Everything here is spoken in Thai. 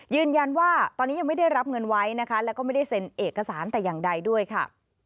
ยืนยันว่าตอนนี้ยังไม่ได้รับเงินไว้นะคะแล้วก็ไม่ได้เซ็นเอกสารแต่อย่างใดด้วยค่ะ